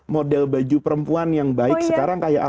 model baju perempuan yang baik sekarang kayak apa